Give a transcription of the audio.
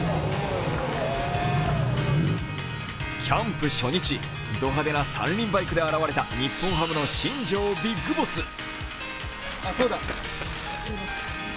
キャンプ初日、ド派手な三輪バイクで現れた日本ハムの新庄ビッグボス。